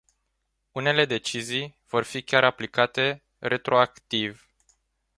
Unele decizii vor fi chiar aplicate retroactiv.